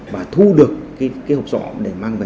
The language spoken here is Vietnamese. và thu được cái hộp sổ để mang về cho gia đình bị hại